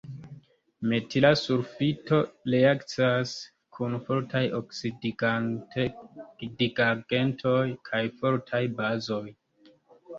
Metila sulfito reakcias kun fortaj oksidigagentoj kaj fortaj bazoj.